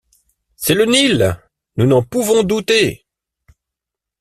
C’est le Nil ! nous n’en pouvons douter.